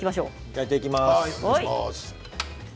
焼いていきます。